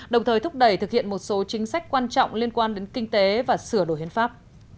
đồng thời thúc đẩy thực hiện một số chính sách quan trọng liên quan đến kinh tế và sửa đổi hiến pháp